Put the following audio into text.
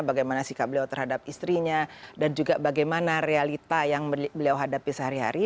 bagaimana sikap beliau terhadap istrinya dan juga bagaimana realita yang beliau hadapi sehari hari